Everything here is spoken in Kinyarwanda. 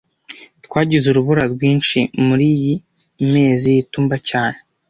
Twagize urubura rwinshi muriyi mezi y'itumba cyane